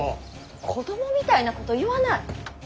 子供みたいなこと言わない。